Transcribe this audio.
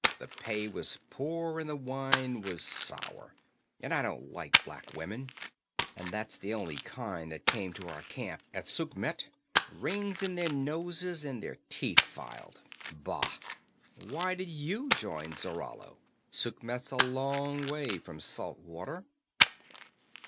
The pay was poor and the wine was sour, and I don't like black women. And that's the only kind that came to our camp at Sukhmet rings in their noses and their teeth filed bah! Why did you join Zarallo? Sukhmet's a long way from salt water."